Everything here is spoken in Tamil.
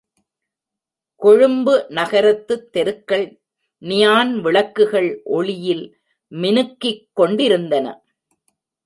கொழும்பு நகரத்துத் தெருக்கள் நியான் விளக்குகள் ஒளியில் மினுக்கிக் கொண்டிருந்தன.